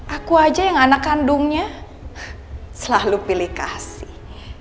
aku aja yang anak kandungnya selalu pilih kasih